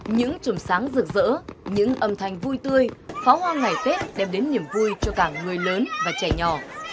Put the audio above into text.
những trùm sáng rực rỡ những âm thanh vui tươi pháo hoa ngày tết đem đến niềm vui cho cả người lớn và trẻ nhỏ